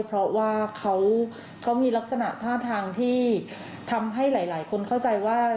เพราะว่าเขามีลักษณะท่าทางที่ทำให้หลายคนเข้าใจว่า